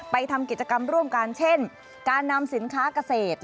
ทำกิจกรรมร่วมกันเช่นการนำสินค้าเกษตร